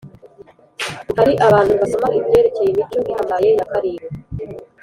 Hari abantu basoma ibyerekeye imico ihambaye ya karindwi